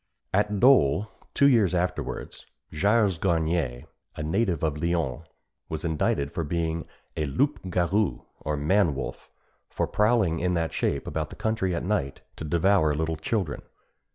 At Dôle, two years afterwards, Gilles Garnier, a native of Lyons, was indicted for being a loup garou, or man wolf, and for prowling in that shape about the country at night to devour little children.